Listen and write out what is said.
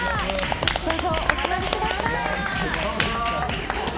どうぞお座りください。